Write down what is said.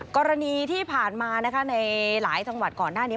กรณีที่ผ่านมานะคะในหลายจังหวัดก่อนหน้านี้